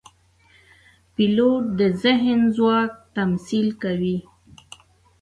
پیلوټ د ذهن ځواک تمثیل کوي.